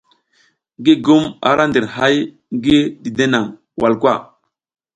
Gigum ara ndir hay ngi dide nang walkwa.